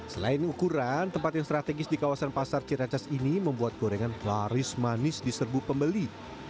selain ukuran tempat yang strategis di kawasan pasar ciracas ini membuat gorengan laris manis di serbu pembeli